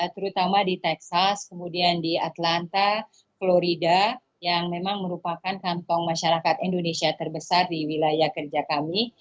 terutama di texas kemudian di atlanta florida yang memang merupakan kantong masyarakat indonesia terbesar di wilayah kerja kami